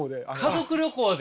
家族旅行で？